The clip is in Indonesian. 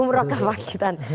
umroh ke pacitan